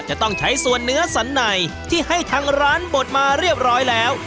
จะต้องใช้ส่วนเนื้อสันในที่ให้ทางร้านบดมาเรียบร้อยแล้ว